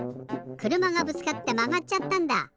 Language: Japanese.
くるまがぶつかってまがっちゃったんだ！